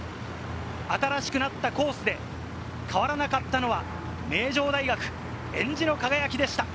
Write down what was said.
新しくなったコースで変わらなかったのは名城大学、えんじの輝きでした。